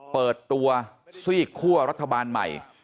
เปิดตัวซีกคั่วรัฐบาลใหม่